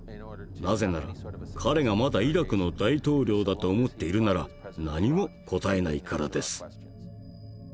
なぜなら彼がまだイラクの大統領だと思っているなら何も答えないからです。